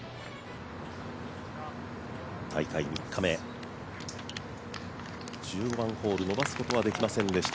大会３日目、１５番ホール伸ばすことができませんでした